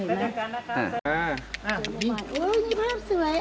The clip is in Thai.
มีแฟ้งกษวย